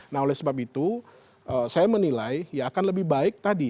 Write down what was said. nah oleh sebab itu saya menilai ya akan lebih baik tadi